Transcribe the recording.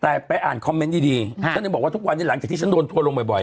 แต่ไปอ่านคอมเมนต์ดีฉันยังบอกว่าทุกวันนี้หลังจากที่ฉันโดนทัวร์ลงบ่อย